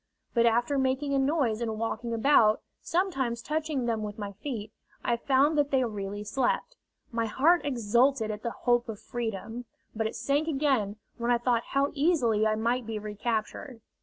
But after making a noise and walking about, sometimes touching them with my feet, I found that they really slept. My heart exulted at the hope of freedom, but it sank again when I thought how easily I might be recaptured.